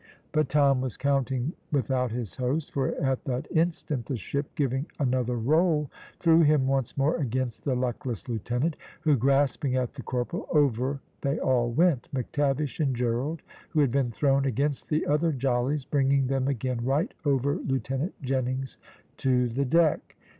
But Tom was counting without his host, for at that instant the ship, giving another roll, threw him once more against the luckless lieutenant, who grasping at the corporal, over they all went, McTavish and Gerald, who had been thrown against the other jollies, bringing them again right over Lieutenant Jennings to the deck.